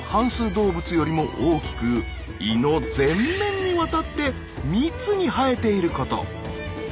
動物よりも大きく胃の全面にわたって密に生えていること。